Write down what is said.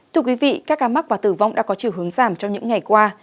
thưa quý vị các ca mắc và tử vong đã có chiều hướng giảm trong những ngày qua